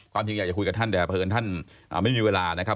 จริงอยากจะคุยกับท่านแต่เผินท่านไม่มีเวลานะครับ